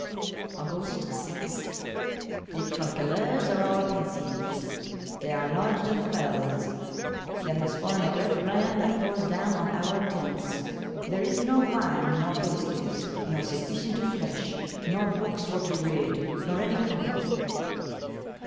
August 6. The chronyclers are all pensyve. They are lodged in the feldes. There has fallen a great rayne that pours downe on our tents. There is no wyne nor pasties, nor suffycent of flesshe, no bookes for to rede, nor any company.